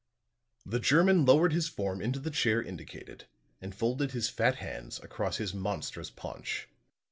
The German lowered his form into the chair indicated and folded his fat hands across his monstrous paunch.